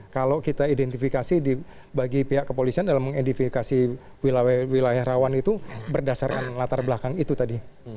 kalau kita identifikasi bagi pihak kepolisian dalam mengidentifikasi wilayah rawan itu berdasarkan latar belakang itu tadi